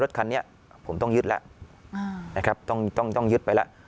รถคันนี้ผมต้องยึดแล้วอ่านะครับต้องต้องต้องยึดไปแล้ว